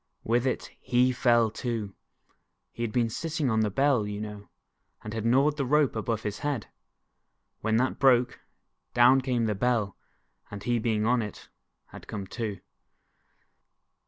With it, he fell too! He had been sitting on the Bell, you know, and had gnawed the rope above his head. When that broke, down came the Bell, and he being on it. had to come too.